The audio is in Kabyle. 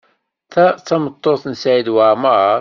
Ta d tameṭṭut n Saɛid Waɛmaṛ?